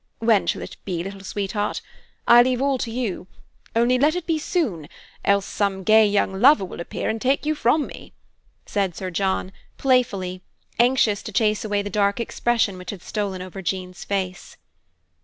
"When shall it be, little sweetheart? I leave all to you, only let it be soon, else some gay young lover will appear, and take you from me," said Sir John, playfully, anxious to chase away the dark expression which had stolen over Jean's face.